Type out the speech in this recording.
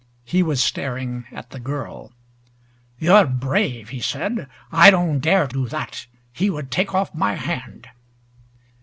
He was staring at the girl. "You're brave," he said. "I don't dare do that. He would take off my hand!"